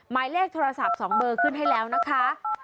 หมายเลขโทรศัพท์๒เบอร์ขึ้นให้แล้วนะคะ